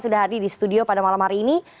sudah hadir di studio pada malam hari ini